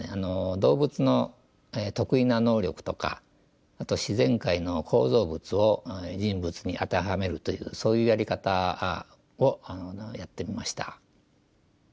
動物の特異な能力とかあと自然界の構造物を人物に当てはめるというそういうやり方をやってみました。